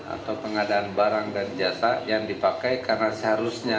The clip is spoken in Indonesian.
atau pengadaan barang dan jasa yang dipakai karena seharusnya